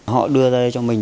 họ đưa ra đây cho mình